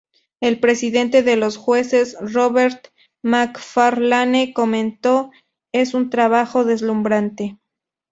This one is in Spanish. El presidente de los jueces, Robert Macfarlane comentó: "Es un trabajo deslumbrante.